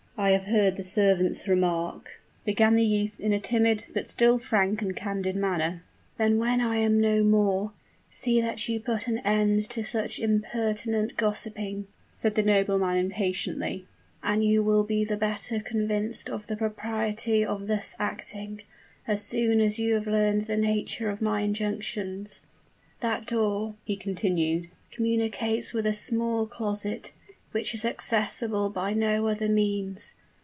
"I have heard the servants remark " began the youth in a timid, but still frank and candid manner. "Then, when I am no more, see that you put an end to such impertinent gossiping," said the nobleman, impatiently; "and you will be the better convinced of the propriety of thus acting, as soon as you have learned the nature of my injunctions. That door," he continued, "communicates with a small closet, which is accessible by no other means.